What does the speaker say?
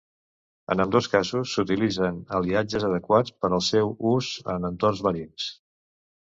En ambdós casos s'utilitzen aliatges adequats per al seu ús en entorns marins.